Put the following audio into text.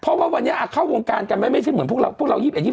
เพราะวันนี้ข้องการกันนี่ไม่ใช่เหมือนเรา